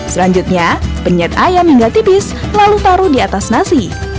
selanjutnya penyet ayam hingga tipis lalu taruh di atas nasi